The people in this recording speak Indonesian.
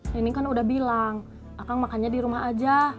neneng kan udah bilang akang makannya di rumah aja